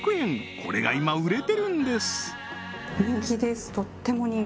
これが今売れてるんです